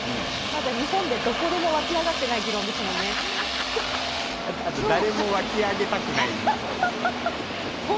まだ日本でどこでも湧き上がってないあと誰も湧き上げたくない議論。